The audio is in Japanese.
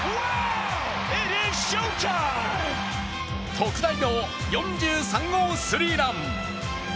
特大の４３号スリーラン。